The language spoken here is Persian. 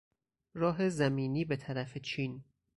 راه زمینی به طرف چین